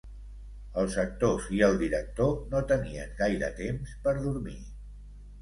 Els actors i el director no tenien gaire temps per dormir.